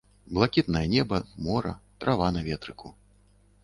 Блакітнае неба, мора, трава на ветрыку.